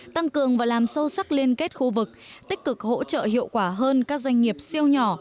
tăng cường và làm sâu sắc liên kết khu vực tích cực hỗ trợ hiệu quả hơn các doanh nghiệp siêu nhỏ